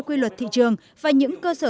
quy luật thị trường và những cơ sở